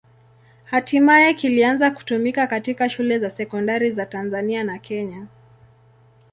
Hatimaye kilianza kutumika katika shule za sekondari za Tanzania na Kenya.